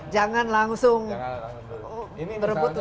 jangan langsung merebut untuk duduk